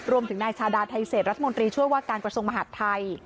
รวมถึงนายชาดาไทเศษรัฐมนตรีช่วยว่าการกระทรวงมหาดไทย